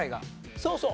そうそう。